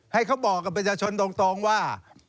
เขาบอกกับประชาชนตรงว่า